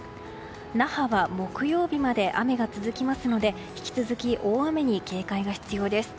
那覇は木曜日まで雨が続きますので引き続き、大雨に警戒が必要です。